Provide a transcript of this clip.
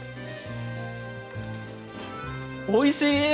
おいしい！